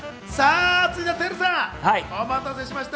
続いてはＴＥＲＵさん、お待たせしました！